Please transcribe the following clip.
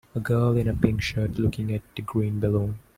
A girl in a pink shirt looking at a green balloon.